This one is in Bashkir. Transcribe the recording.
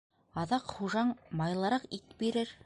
Аҙаҡ хужаң майлыраҡ ит бирер.